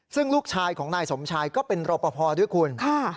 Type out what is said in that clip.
ซึ่งลูกชายของนายสมชายก็เป็นรอปภด้วยคุณ